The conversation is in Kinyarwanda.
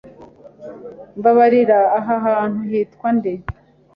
Mbabarira, aha hantu hitwa nde?